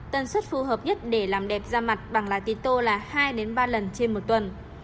tần suất phù hợp nhất để làm đẹp da mặt bằng lá tế tô là hai ba lần trên một tuần